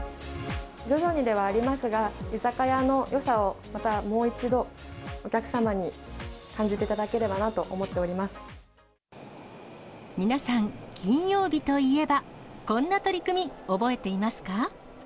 徐々にではありますが、居酒屋のよさを、またもう一度、お客様に感じていただければなと皆さん、金曜日といえば、こんな取り組み、覚えていますか。